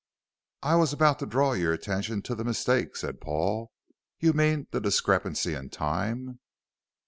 "I was about to draw your attention to the mistake," said Paul; "you mean the discrepancy in time."